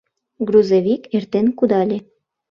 Грузовик эртен кудале.